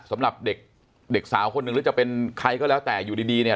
สำหรับเด็กเด็กสาวคนหนึ่งหรือจะเป็นใครก็แล้วแต่อยู่ดีเนี่ย